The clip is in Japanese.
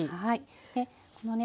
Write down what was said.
でこのね